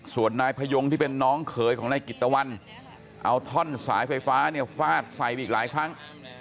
ส่วนนายพยงที่เป็นน้องเขยของนายกิตตะวันเอาท่อนสายไฟฟ้าเนี่ยฟาดใส่ไปอีกหลายครั้ง